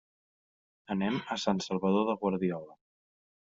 Anem a Sant Salvador de Guardiola.